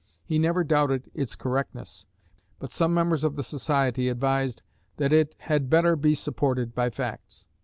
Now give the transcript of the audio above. He never doubted its correctness, but some members of the society advised that it had better be supported by facts.